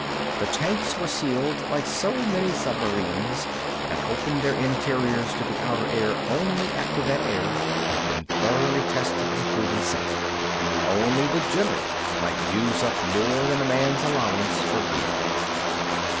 The tanks were sealed like so many submarines, and opened their interiors to the outer air only after that air had been thoroughly tested and proven safe. Only the general might use up more than a man's allowance for breathing.